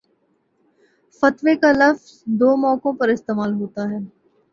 فتوے کا لفظ دو موقعوں پر استعمال ہوتا ہے